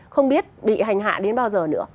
không biết bị hành hạ đến bao giờ nữa